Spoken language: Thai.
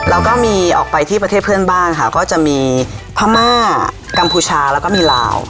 แล้วก็มีออกไปที่ประเทศเพื่อนบ้านค่ะก็จะมีพม่ากัมพูชาแล้วก็มีลาว